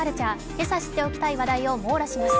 今朝知っておきたい話題を網羅します。